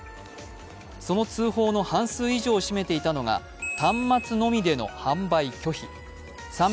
その通報の半数以上を占めていたのが端末のみでの販売拒否。